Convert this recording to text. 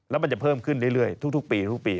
แล้วมันจะเพิ่มขึ้นเรื่อยทุกปีทุกปี